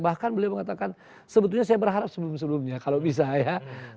bahkan beliau mengatakan sebetulnya saya berharap sebelum sebelumnya kalau bisa ya